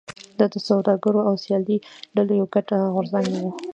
دا د سوداګرو او سیاسي ډلو یو ګډ غورځنګ و.